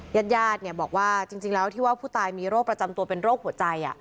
ญาติญาติบอกว่าจริงแล้วที่ว่าผู้ตายมีโรคประจำตัวเป็นโรคหัวใจ